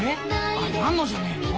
あれナンノじゃねえの？